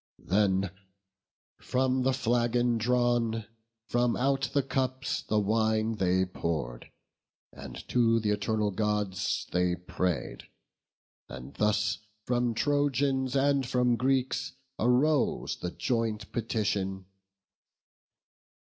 Then, from the flagon drawn, from out the cups The wine they pour'd; and to th' eternal Gods They pray'd; and thus from Trojans and from Greeks Arose the joint petition; "Grant, O Jove!